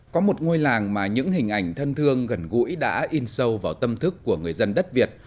có một ngôi làng mà những hình ảnh thân thương gần gũi đã in sâu vào tâm thức của người dân đất việt